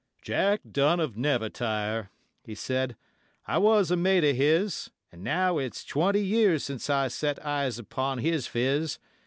'Jack Dunn of Nevertire,' he said; 'I was a mate of his; And now it's twenty years since I set eyes upon his phiz.